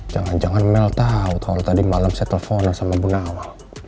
jangan jangan mel tau kalo tadi malem saya telfon lo sama bu nawal